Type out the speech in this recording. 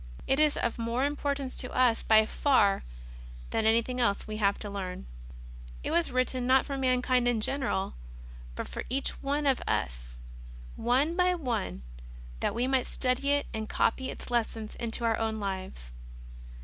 It is of more importance to us by far than anything else we have to learn. It was written, not for mankind in general, but for each of us, one by one, that we might study it and copy its lessons into our own lives.